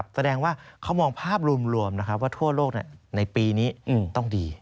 แสดงว่าเขามองภาพรวมว่าทั่วโลกในปีนี้ต้องดี